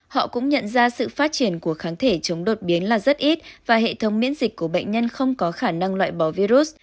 họ cũng nhận ra sự phát triển của kháng thể chống đột biến là rất ít và hệ thống miễn dịch của bệnh nhân không có khả năng loại bỏ virus